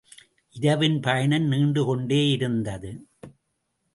இரவின் பயணம் நீண்டு கொண்டே இருந்தது.